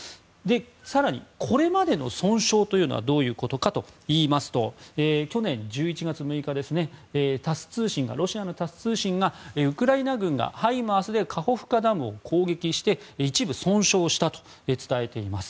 更に、これまでの損傷というのはどういうことかといいますと去年１１月６日ロシアのタス通信がウクライナ軍がハイマースでカホフカダムを攻撃して一部損傷したと伝えています。